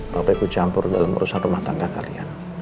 papa ikut campur dalam urusan rumah tangga kalian